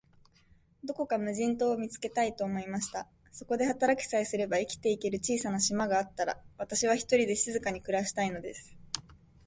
どこか無人島を見つけたい、と思いました。そこで働きさえすれば、生きてゆける小さな島があったら、私は、ひとりで静かに暮したいのです。